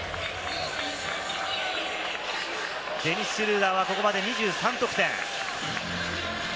デニス・シュルーダーはここまで２３得点。